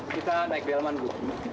kita naik di alman bu